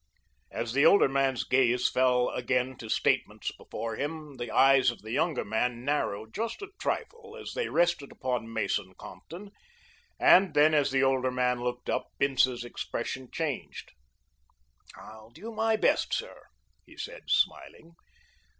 As the older man's gaze fell again to statements before him the eyes of the younger man narrowed just a trifle as they rested upon Mason Compton, and then as the older man looked up Bince's expression changed. "I'll do my best, sir," he said, smiling.